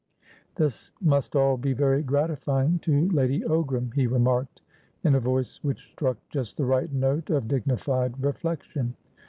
"This must all be very gratifying to Lady Ogram," he remarked, in a voice which struck just the right note of dignified reflection.